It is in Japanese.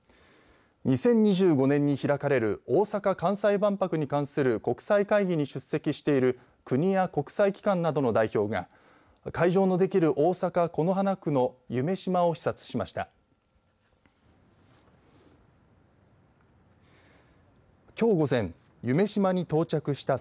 ２０２５年に開かれる大阪・関西万博に関する国際会議に出席している国や国際機関などの代表が会場のできる大阪、此花区の夢洲を視察しました。